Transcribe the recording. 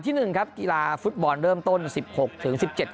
หนึ่งครับกีฬาฟุตบอลเริ่มต้นสิบหกถึงสิบเจ็ด